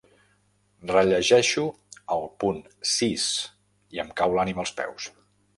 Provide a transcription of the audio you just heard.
Rellegeixo el punt sis i em cau l'ànima als peus.